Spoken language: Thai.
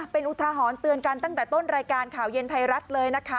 เป็นอุทหรณ์เตือนกันตั้งแต่ต้นรายการข่าวเย็นไทยรัฐเลยนะคะ